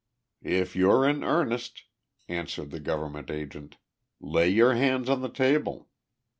"If you're in earnest," answered the government agent, "lay your hands on the table."